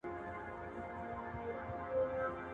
د دلارام خلک په خپلو غونډو کي پر قومي اتفاق خبرې کوي